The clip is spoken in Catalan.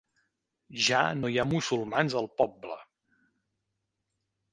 Ja no hi ha musulmans al poble.